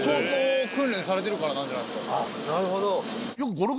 なるほど。